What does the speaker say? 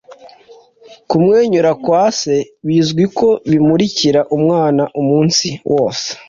“kumwenyura kwa se bizwi ko bimurikira umwana umunsi wose.